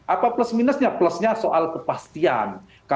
apa plus minusnya plusnya soal kepastian